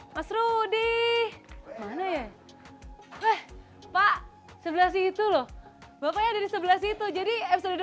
mas rudy mana ya eh pak sebelah situ loh bapaknya dari sebelah situ jadi episode